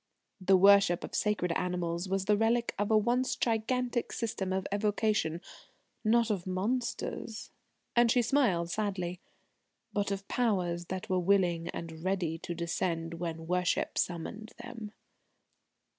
The worship of sacred animals was the relic of a once gigantic system of evocation not of monsters," and she smiled sadly, "but of Powers that were willing and ready to descend when worship summoned them."